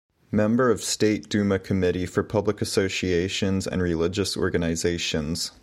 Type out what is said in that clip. Member of State Duma committee for public associations and religious organizations.